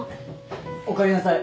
おかえりなさい。